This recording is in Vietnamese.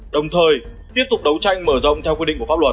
đồng thời tiếp tục đấu tranh mở rộng theo quy định của pháp luật